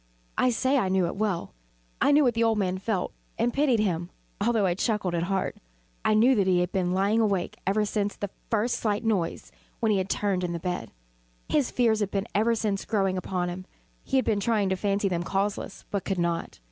I say I knew it well. I knew what the old man felt, and pitied him, although I chuckled at heart. I knew that he had been lying awake ever since the first slight noise, when he had turned in the bed. His fears had been ever since growing upon him. He had been trying to fancy them causeless, but could not.